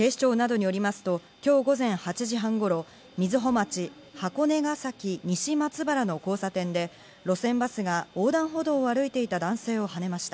警視庁などによりますと、今日午前８時半頃、瑞穂町・箱根ケ崎西松原の交差点での路線バスが横断歩道を歩いていた男性をはねました。